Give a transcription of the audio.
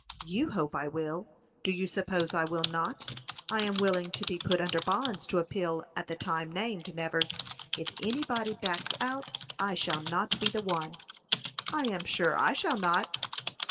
"You hope I will! Do you suppose I will not? I am willing to be put under bonds to appeal at the time named, Nevers. If any body backs out, I shall not be the one." "I am sure I shall not."